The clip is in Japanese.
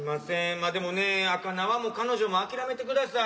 まあでもね赤縄も彼女も諦めてください。